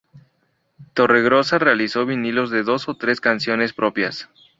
Torregrosa realizó vinilos de dos o tres canciones propias.